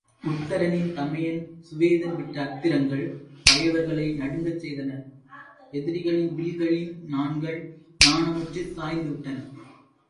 உத்தரனின் தமையன் சுவேதன் விட்ட அத்திரங்கள் பகைவர்களை நடுங்கச் செய்தன எதிரிகளின் வில்களின் நாண்கள் நாணமுற்றுச் சாய்ந்துவிட்டன.